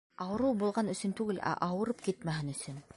Ауырыу булған өсөн түгел, ә ауырып китмәһен өсөн.